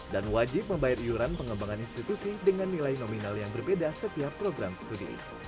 dan wajib membayar iuran pengembangan institusi dengan nilai nominal yang berbeda setiap program studi